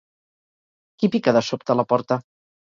Qui pica de sobte la porta?